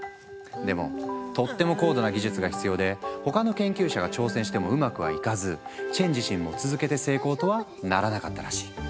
でもとっても高度な技術が必要で他の研究者が挑戦してもうまくはいかずチェン自身も続けて成功とはならなかったらしい。